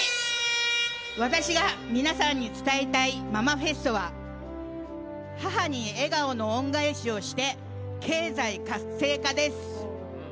私が皆さんに伝えたいママフェストは母に笑顔の恩返しをして経済活性化です。